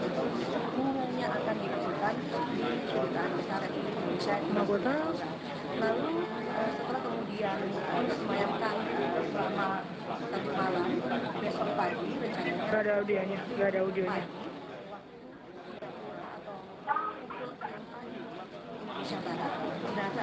dan umumnya akan diperlukan di kota anasara indonesia